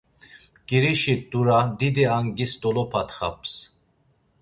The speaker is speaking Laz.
Mkirişi t̆ura didi angis dolopatxaps.